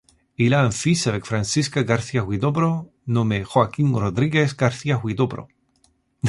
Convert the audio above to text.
Il a un fils avec Francisca García-Huidobro, nommé Joaquín Rodríguez García-Huidobro.